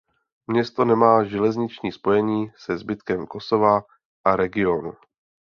Město nemá železniční spojení se zbytkem Kosova a regionu.